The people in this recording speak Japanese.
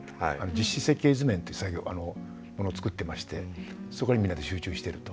設計図面ってものを作ってましてそこにみんなで集中していると。